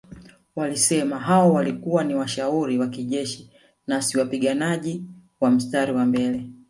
Walisema hao walikuwa ni washauri wa kijeshi na si wapiganaji wa mstari wa mbele